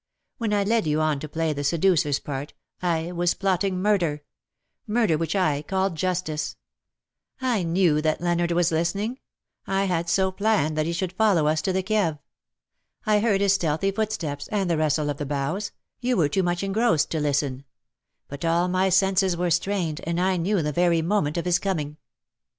When I led you on to play the seducer''s part, I was plot ting murder — murder which I called justice. I knew that Leonard was listening — I had so planned that he should follow us to the Kieve. I heard his • stealthy footsteps, and the rustle of the boughs — you were too much engrossed to listen ; but all my senses were strained, and I knew the very moment of his coming."